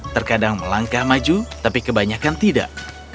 terkadang melangkah maju tapi kebanyakan tidak